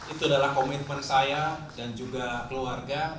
itu adalah komitmen saya dan juga keluarga